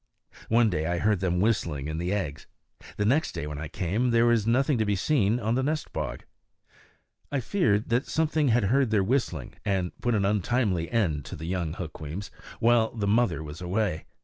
One day I heard them whistling in the eggs; the next day, when I came, there was nothing to be seen on the nest bog. I feared that something had heard their whistling and put an untimely end to the young Hukweems while mother bird was away.